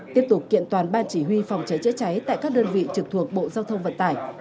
tiếp tục kiện toàn ban chỉ huy phòng cháy chữa cháy tại các đơn vị trực thuộc bộ giao thông vận tải